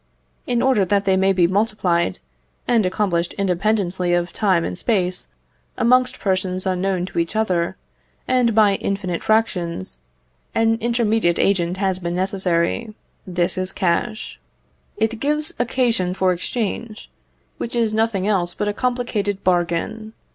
In order that they may be multiplied, and accomplished independently of time and space amongst persons unknown to each other, and by infinite fractions, an intermediate agent has been necessary, this is cash. It gives occasion for exchange, which is nothing else but a complicated bargain.